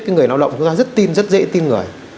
cái người nào động rất tin rất dễ tin người